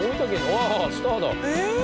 ああっスターだ。